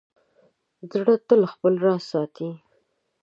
زړه تل خپل راز ساتي.